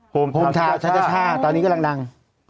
โฮงทาวน์ชาชชาตอนนี้ก็รังดัง